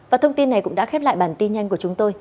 và thông tin này cũng đã khép lại bản tin nhanh của chúng tôi